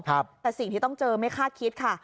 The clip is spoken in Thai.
แต่สิ่งที่ต้องเจอไม่คาดคิดค่ะ